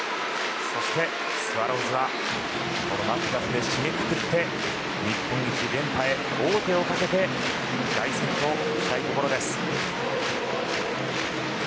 スワローズはマクガフで締めくくって日本一、連覇へ王手をかけて凱旋としたいところです。